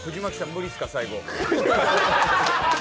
無理っすか、最後？